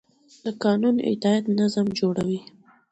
د قانون اطاعت نظم جوړوي